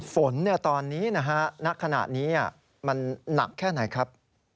ฝนตอนนี้นะฮะณขณะนี้มันหนักแค่ไหนครับ